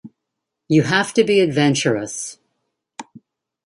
You have to be adventurous.